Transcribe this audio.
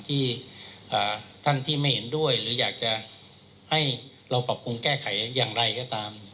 ที่ท่านที่ไม่เห็นด้วยหรืออยากจะให้เราปรับปรุงแก้ไขอย่างไรก็ตาม